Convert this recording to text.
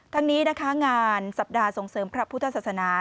ทั้งนี้นะคะงานสัปดาห์ส่งเสริมพระพุทธศาสนา